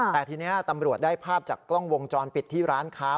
แต่ทีนี้ตำรวจได้ภาพจากกล้องวงจรปิดที่ร้านค้า